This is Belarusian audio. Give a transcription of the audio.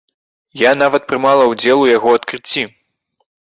Я нават прымала ўдзел у яго адкрыцці.